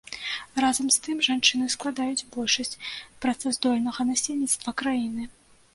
Разам з тым жанчыны складаюць большасць працаздольнага насельніцтва краіны.